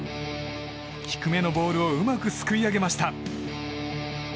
低めのボールをうまくすくい上げました。